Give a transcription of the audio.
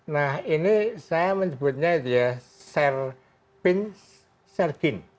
nah ini saya menyebutnya itu ya share pins share gin